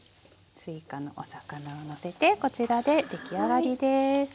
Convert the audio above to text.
すいかのお魚をのせてこちらで出来上がりです。